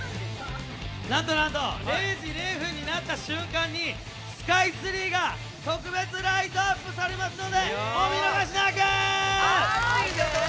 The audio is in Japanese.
なんとなんと０時０分になった瞬間にスカイツリーが特別ライトアップされますのでお見逃しなく！